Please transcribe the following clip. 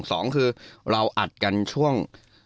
สองคือเราอัดกันช่วง